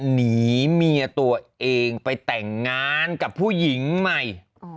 หนีเมียตัวเองไปแต่งงานกับผู้หญิงใหม่